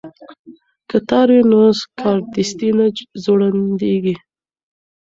که تار وي نو کارډستي نه ځوړندیږي.